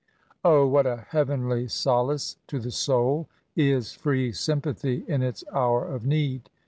O! what a heavenly solace to the soul is free sympathy in its hour of need